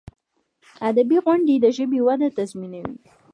ادبي غونډي د ژبي وده تضمینوي.